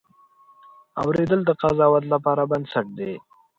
اورېدل د قضاوت لپاره بنسټ دی.